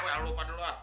gue yang lupa dulu ah